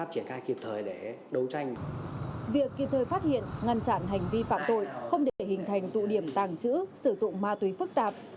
việc kịp thời phát hiện ngăn chặn hành vi phạm tội không để hình thành tụ điểm tàng trữ sử dụng ma túy phức tạp